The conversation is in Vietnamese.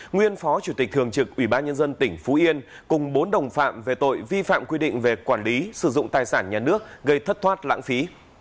nguyên phó chủ tịch thường trực ủy ban nhân dân tỉnh phú yên cùng bốn đồng phạm về tội vi phạm quy định về quản lý sử dụng tài sản nhà nước gây thất thoát lãng phí